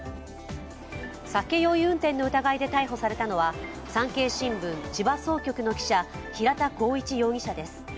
酒酔い運転の疑いで逮捕されのは、産経新聞千葉総局の記者平田浩一容疑者です。